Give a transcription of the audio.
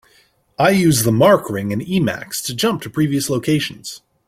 I use the mark ring in Emacs to jump to previous locations.